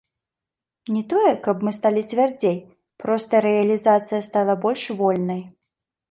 Не тое, каб мы сталі цвярдзей, проста рэалізацыя стала больш вольнай.